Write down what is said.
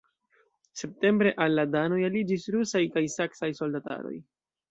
Septembre al la danoj aliĝis rusaj kaj saksaj soldataroj.